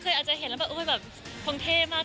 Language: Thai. ก็เคยอาจจะเห็นแล้วแบบโอ๊ยพร้อมเท่มาก